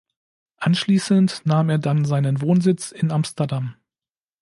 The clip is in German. Anschließend nahm er dann seinen Wohnsitz in Amsterdam.